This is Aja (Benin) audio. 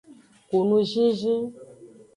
Ku nuzinzin.